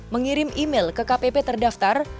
mengirim email ke kpp terdaftar